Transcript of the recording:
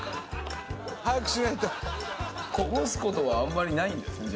こぼすことはあんまりないんですね